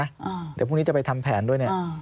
เดี๋ยวพรุ่งนี้จะไปทำแผนด้วยเนี่ย